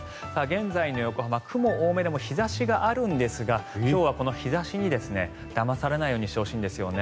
現在の横浜、雲多めでも日差しがあるんですが今日はこの日差しにだまされないようにしてほしいんですね。